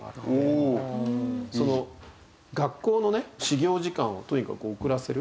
その学校のね始業時間をとにかく遅らせる。